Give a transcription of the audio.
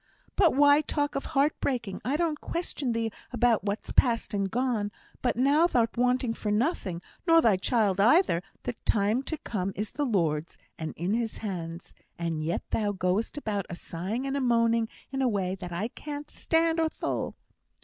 "But why talk of thy heart breaking? I don't question thee about what's past and gone; but now thou'rt wanting for nothing, nor thy child either; the time to come is the Lord's, and in His hands; and yet thou goest about a sighing and a moaning in a way that I can't stand or thole."